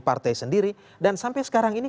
partai sendiri dan sampai sekarang ini